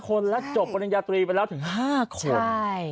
คนและจบปริญญาตรีไปแล้วถึง๕คน